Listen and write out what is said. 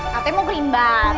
katanya mau krim bat